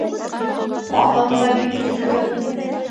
Ағым да бик көслө.